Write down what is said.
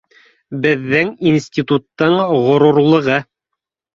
— Беҙҙең институттың ғорурлығы